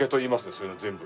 そういうの全部。